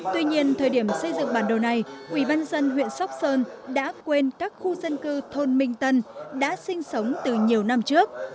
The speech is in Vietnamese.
tuy nhiên thời điểm xây dựng bản đồ này ubnd huyện sóc sơn đã quên các khu dân cư thôn minh tân đã sinh sống từ nhiều năm trước